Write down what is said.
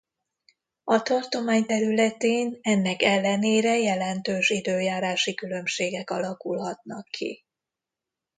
A tartomány területén ennek ellenére jelentős időjárási különbségek alakulhatnak ki.